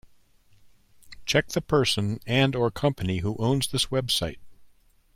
Check the person and/or company who owns this website.